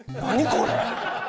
これ！